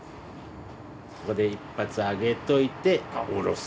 ここで一発上げといて下ろす。